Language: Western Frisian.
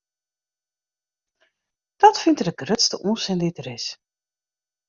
Dat fynt er de grutste ûnsin dy't der is.